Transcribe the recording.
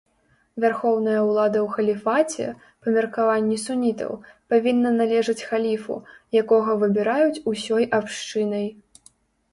Вярхоўная ўлада ў халіфаце, па меркаванні сунітаў, павінна належаць халіфу, якога выбіраюць ўсёй абшчынай.